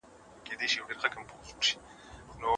د شپې له خوا ډېر ناوخته ډوډۍ مه خورئ.